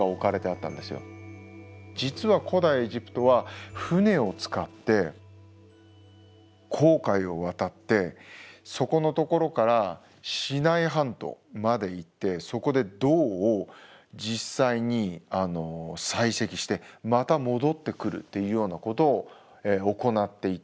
実は古代エジプトは船を使って紅海を渡ってそこのところからシナイ半島まで行ってそこで銅を実際に採石してまた戻ってくるっていうようなことを行っていた。